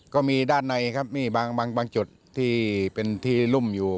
ก็มีด้านในครับมีบางจุดที่เป็นที่รุ่มอยู่